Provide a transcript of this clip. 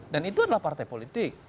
dan itu adalah partai politik